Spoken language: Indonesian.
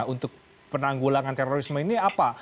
untuk penanggulangan terorisme ini apa